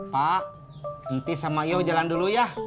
pak nanti sama yow jalan dulu ya